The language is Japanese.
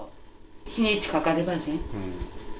日にちかかればね。